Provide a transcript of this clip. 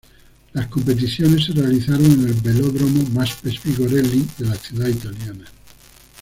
Las competiciones se realizaron en el Velódromo Maspes-Vigorelli de la ciudad italiana.